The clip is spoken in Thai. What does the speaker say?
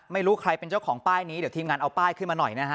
ไม่รู้ใครเป็นเจ้าของป้ายนี้เดี๋ยวทีมงานเอาป้ายขึ้นมาหน่อยนะฮะ